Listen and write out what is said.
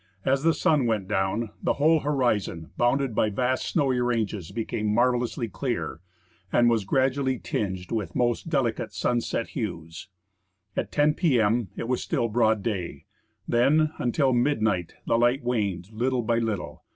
As the sun went down, the whole horizon, bounded by vast snowy ranges, became marvel lously clear, and was gradually tinged with most delicate sunset hues. At lo p.m. It was still broad day ; then, until midnight, the light waned little by little.